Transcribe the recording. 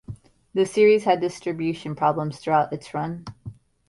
The series had distribution problems throughout its run.